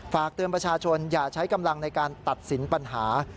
ฝากเตือนประชาชนอย่าใช้กำลังในการตัดสินปัญหา